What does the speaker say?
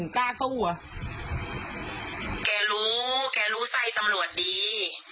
แกรู้แกรู้ใส่ตำรวจดี